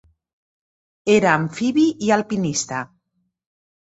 Era amfibi i alpinista.